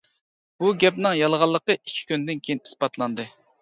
بۇ گەپنىڭ يالغانلىقى ئىككى كۈندىن كېيىن ئىسپاتلاندى.